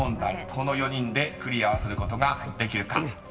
この４人でクリアすることができるか］